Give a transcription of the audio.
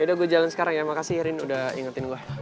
yaudah gue jalan sekarang ya makasih irin udah ingetin gue